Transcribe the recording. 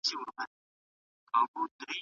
هیڅوک باید د قومیت له امله له دندي ونه ایستل سي.